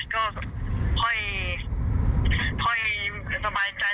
ก็ค่อยสบายใจ